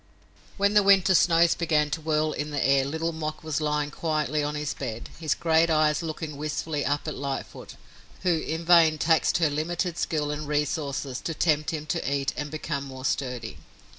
When the winter snows began to whirl in the air Little Mok was lying quietly on his bed, his great eyes looking wistfully up at Lightfoot, who in vain taxed her limited skill and resources to tempt him to eat and become more sturdy.